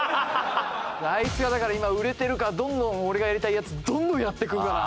あいつがだから今売れてるからどんどん俺がやりたいやつどんどんやっていくから。